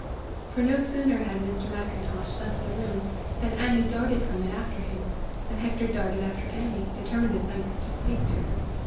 For no sooner had Mr. Macintosh left the room than Annie darted from it after him, and Hector darted after Annie, determined at length to speak to her.